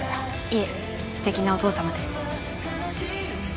いえ素敵なお父様です。